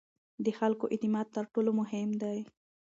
د خلکو اعتماد تر ټولو مهم دی